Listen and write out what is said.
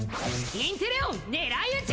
インテレオンねらいうち！